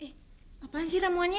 eh apaan sih ramuannya